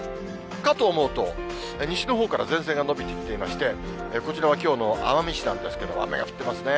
かと思うと、西のほうから前線が延びてきていまして、こちらはきょうの奄美市なんですけれども、雨が降ってますね。